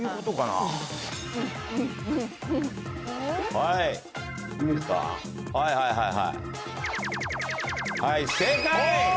はいはいはいはい。